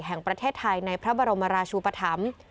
แห่งประเทศไทยในพระบรมราชูปธรรม